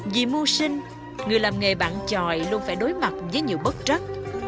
vì mưu sinh người làm nghề bạn tròi luôn phải đối mặt với nhiều bất trắc